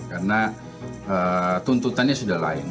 karena tuntutannya sudah lain